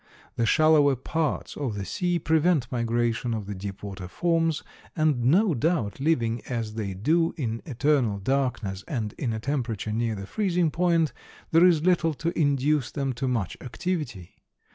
The shallower parts of the sea prevent migration of the deep water forms and no doubt living as they do in eternal darkness and in a temperature near the freezing point, there is little to induce them to much activity.